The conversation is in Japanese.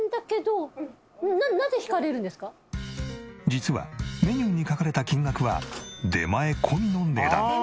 実はメニューに書かれた金額は出前込みの値段。